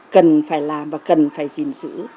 cần phải làm và cần phải gìn giữ